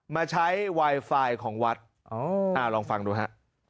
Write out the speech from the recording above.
มาใช้ไวไฟของวัดลองฟังดูฮะ